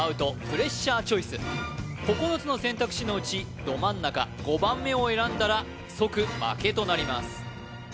プレッシャーチョイス９つの選択肢のうちど真ん中５番目を選んだら即負けとなります